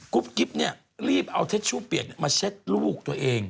กิ๊บเนี่ยรีบเอาเทชชู่เปียกมาเช็ดลูกตัวเอง